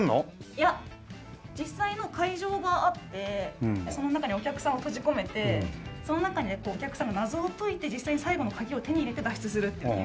いや実際の会場があってその中にお客さんを閉じ込めてその中でお客さんが謎を解いて実際に最後の鍵を手に入れて脱出するっていうゲーム。